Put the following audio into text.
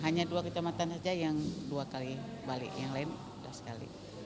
hanya dua kecamatan saja yang dua kali balik yang lain sudah sekali